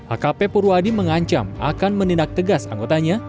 akp purwadi mengancam akan menindak tegas anggotanya